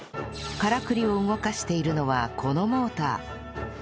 からくりを動かしているのはこのモーター